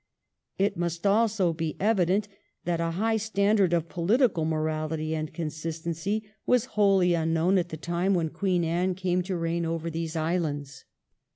It must also be evident that a high standard of political morality and consistency was whoUy un 1702 14 POLITICAL MOEALITY, 405 known at the time when Queen Anne came to reign over these islands.